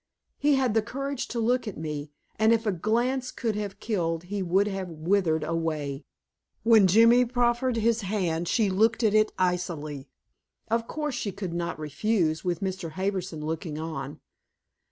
He had the courage to look at me, and if a glance could have killed he would have withered away. When Jimmy proffered his hand, she looked at it icily. Of course she could not refuse, with Mr. Harbison looking on.